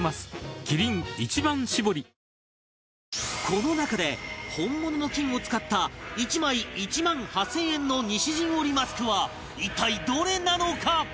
この中で本物の金を使った１枚１万８０００円の西陣織マスクは一体どれなのか？